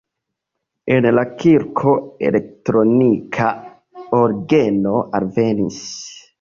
En la kirko elektronika orgeno alvenis.